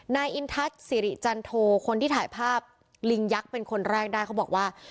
นายอินทัศน์สิริจันโทคนที่ถ่ายภาพลิงยักษ์เป็นคนแรกได้เขาบอกว่า